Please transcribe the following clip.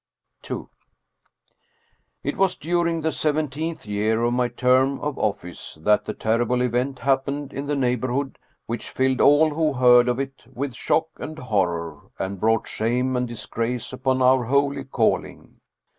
II IT was during the seventeenth year of my term of office that the terrible event happened in the neighborhood which filled all who heard of it with shock and horror, and brought shame and disgrace upon our holy calling.